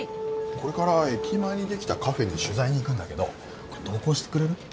これから駅前にできたカフェに取材に行くんだけど同行してくれる？